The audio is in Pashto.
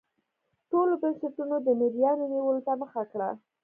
ټولو بنسټونو د مریانو نیولو ته مخه کړه.